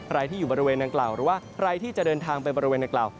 ใครที่อยู่บริเวณนางกล่าวหรือว่าใครที่จะเดินทางไปบริเวณนางกล่าว